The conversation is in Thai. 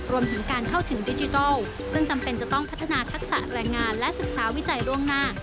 รวมถึงการเข้าถึงดิจิทัลซึ่งจำเป็นจะต้องพัฒนาทักษะแรงงานและศึกษาวิจัยล่วงหน้า